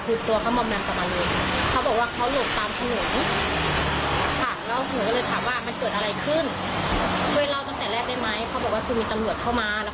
คือตัวเขามอบแมนสะมาริเขาบอกว่าเขาหลงตามถนน